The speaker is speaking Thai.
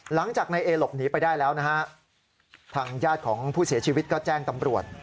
หลังจากนายเอหลบหนีไปได้แล้วนะฮะทางญาติของผู้เสียชีวิตก็แจ้งตำรวจ